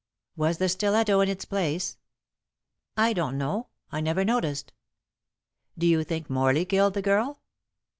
"Was the stiletto in its place?" "I don't know. I never noticed." "Do you think Morley killed the girl?"